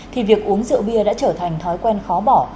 thì việc uống rượu bia đã trở thành thói quen khó bỏ